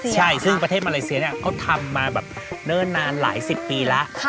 ใช่ซึ่งประเทศมาเลเซียเนี่ยเขาทำมาแบบเนิ่นนานหลายสิบปีแล้ว